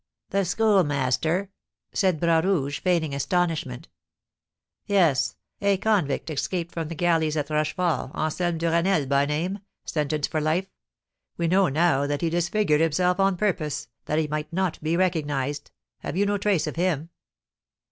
"The Schoolmaster?" said Bras Rouge, feigning astonishment. "Yes, a convict escaped from the galleys at Rochefort, Anselm Duresnel by name, sentenced for life. We know now that he disfigured himself on purpose, that he might not be recognised. Have you no trace of him?"